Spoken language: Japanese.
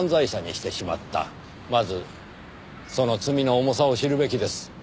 まずその罪の重さを知るべきです。